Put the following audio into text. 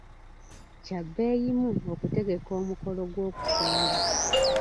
Kyabbeeyimu okutegeka omukolo gw'okusonda.